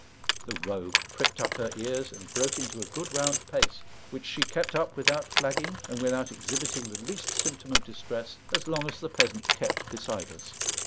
The rogue pricked up her ears and broke into a good round pace, which she kept up without flagging, and without exhibiting the least symptom of distress, as long as the peasant kept beside us.